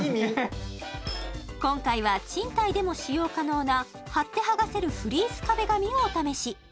今回は賃貸でも使用可能な貼って剥がせる「フリース壁紙」をお試し